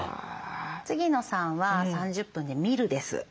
次の３は３０分で「見る」です。